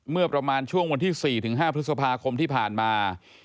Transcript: เมื่อประมาณช่วงวันที่๔๕พฤษภาคมที่ผ่านมา